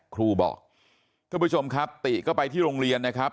ครูบอกท่านผู้ชมครับติก็ไปที่โรงเรียนนะครับ